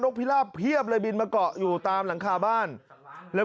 นกพิลาปใครก็กลัว